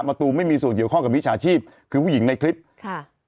ตูมไม่มีส่วนเกี่ยวข้องกับวิชาชีพคือผู้หญิงในคลิปค่ะ